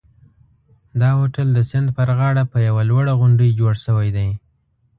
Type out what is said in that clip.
دا هوټل د سیند پر غاړه په یوه لوړه غونډۍ جوړ شوی دی.